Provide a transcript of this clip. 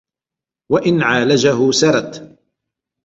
وَإِنْ عَالَجَهُ سَرَتْ